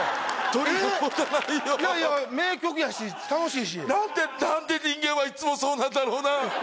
いやいや名曲やし楽しいし何で何で人間はいっつもそうなんだろうな